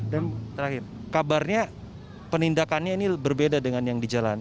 dan terakhir kabarnya penindakannya ini berbeda dengan yang di jalan